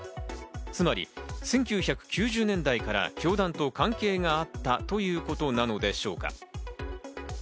つまり１９９０年代から教団と関係があったということなのでしょうか？